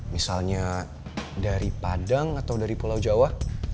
misalnya dari padang atau dari pulau jawa